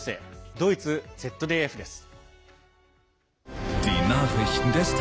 ドイツＺＤＦです。